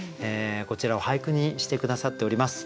こちらを俳句にして下さっております。